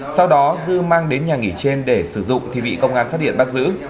sau đó dư mang đến nhà nghỉ trên để sử dụng thì bị công an phát hiện bắt giữ